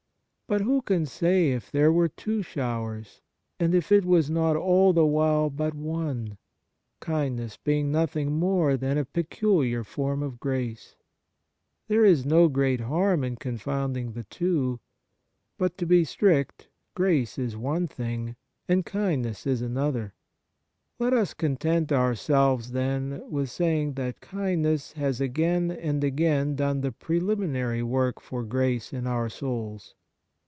But who can say if there were two showers, and if it was not all the while but one, kindness being nothing more than a peculiar form of grace ? There is no great harm in confounding the two ; but to be strict, grace is one thing, and kindness is another. 88 Kindness Let us content ourselves, then, with saying that kindness has again and again done the preHminary work for grace in our souls.